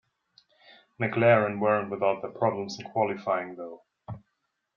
McLaren weren't without their problems in qualifying though.